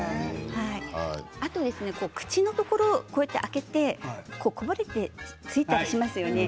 あと口のところを開けてこぼれてついたりしますよね。